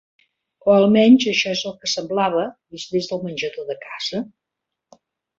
O almenys això és el que semblava, vist des del menjador de casa.